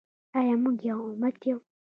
آیا موږ یو امت یو؟